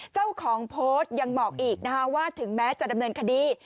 เจ้าของโพสต์ยังบอกอีกนะคะว่าถึงแม้จะดำเนินคดี